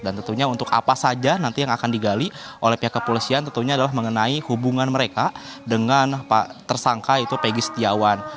dan tentunya untuk apa saja nanti yang akan digali oleh pihak kepolisian tentunya adalah mengenai hubungan mereka dengan tersangka itu pegi setiawan